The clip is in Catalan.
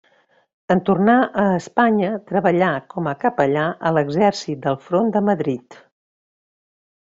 En tornar a Espanya treballà com a capellà a l'exèrcit del Front de Madrid.